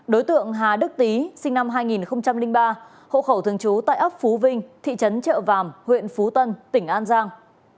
đối tượng hà đức tý sinh năm hai nghìn ba hộ khẩu thường trú tại ấp phú vinh thị trấn trợ vàm huyện phú tân tỉnh an giang